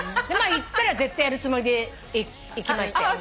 行ったら絶対やるつもりで行きましたよ。